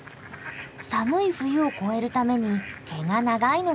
寒い冬を越えるために毛が長いのが特徴。